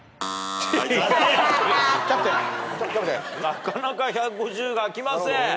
なかなか１５０が開きません。